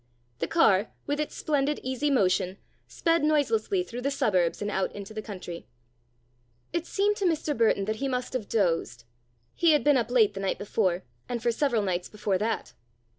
The car, with its splendid easy motion, sped noiselessly through the suburbs and out into the country. It seemed to Mr. Burton that he must have dozed. He had been up late the night before, and for several nights before that.